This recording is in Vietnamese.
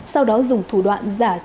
sau đó dùng thủ đoạn giả truyền